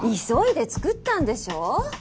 急いで作ったんでしょう。